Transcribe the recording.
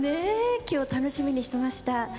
今日楽しみにしてました。